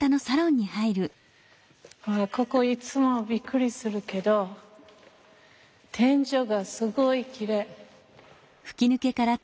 ここいつもびっくりするけど天井がすごいきれい。